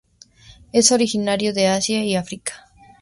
Es originario de Asia y África.